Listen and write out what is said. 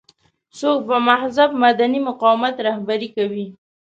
څوک به مهذب مدني مقاومت رهبري کوي.